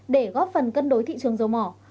để góp phần cân đối thị trường dầu mỏ